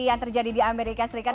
yang terjadi di amerika serikat